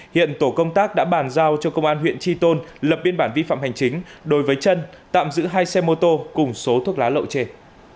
hiện tổ công tác đã bàn giao cho công an huyện tri tôn lập biên bản vi phạm hành chính đối với trân tạm giữ hai xe mô tô cùng số thuốc lá lậu trên